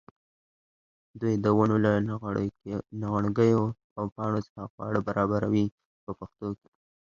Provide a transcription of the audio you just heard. دوی د ونو له نغوړګیو او پاڼو څخه خواړه برابروي په پښتو کې.